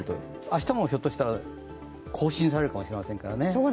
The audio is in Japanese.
明日もひょっとしたら更新されるかもしれませんからね。